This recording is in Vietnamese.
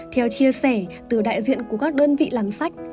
theo chia sẻ từ đại diện của các đơn vị làm sách